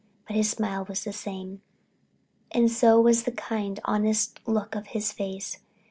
But his smile was the same, and so was the kind, honest look of his face.